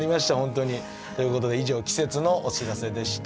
ということで以上季節のお知らせでした。